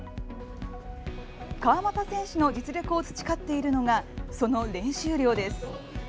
川又選手の実力を培っているのがその練習量です。